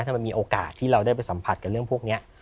ถ้ามันมีโอกาสที่เราได้ไปสัมผัสกับเรื่องพวกนี้